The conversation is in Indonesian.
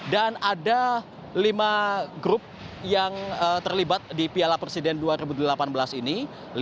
dan ada lima grup yang terlibat di piala presiden dua ribu delapan belas ini